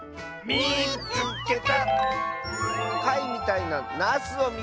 「みいつけた！」。